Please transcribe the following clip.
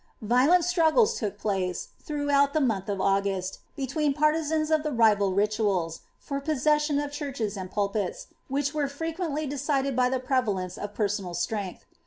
Violent struggles took place, throughout the month of August, be tween the partisans of the rival rituals, for possession of churches and pulpits, which were frequently decided by the prevalence of personal atrength.